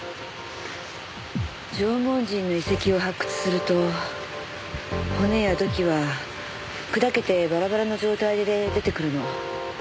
縄文人の遺跡を発掘すると骨や土器は砕けてバラバラの状態で出てくるの。